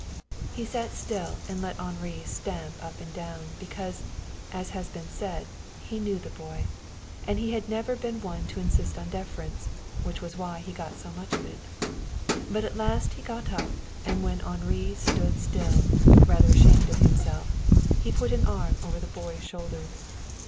He sat still and let Henri stamp up and down, because, as has been said, he knew the boy. And he had never been one to insist on deference, which was why he got so much of it. But at last he got up and when Henri stood still, rather ashamed of himself, he put an arm over the boy's shoulders.